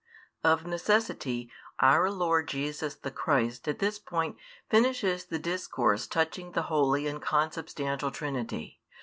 Of necessity our Lord Jesus the Christ at this point finishes the discourse touching the Holy and Consubstantial Trinity.